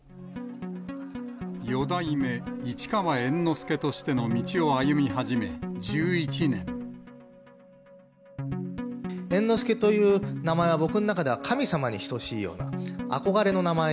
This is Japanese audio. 四代目市川猿之助としての道猿之助という名前は、僕の中では神様に等しいような憧れの名前。